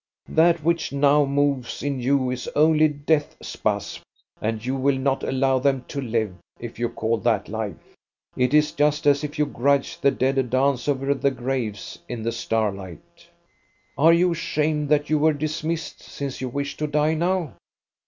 "That which now moves in you is only death spasms, and you will not allow them to live, if you call that life. It is just as if you grudged the dead a dance over the graves in the star light. " Are you ashamed that you were dismissed, since you wish to die now?